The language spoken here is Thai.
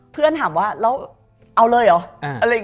เพื่อนถามว่าเอาเลยหรอ